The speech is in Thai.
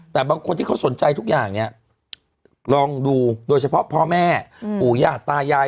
แต่บางคนที่เขาสนใจทุกอย่างเนี่ยลองดูโดยเฉพาะพ่อแม่ปู่ย่าตายาย